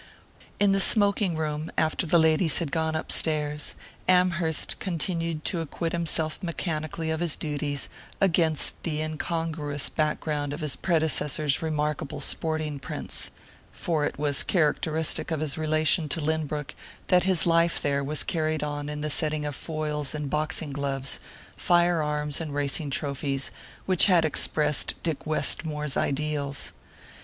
In the smoking room, after the ladies had gone upstairs, Amherst continued to acquit himself mechanically of his duties, against the incongruous back ground of his predecessor's remarkable sporting prints for it was characteristic of his relation to Lynbrook that his life there was carried on in the setting of foils and boxing gloves, firearms and racing trophies, which had expressed Dick Westmore's ideals.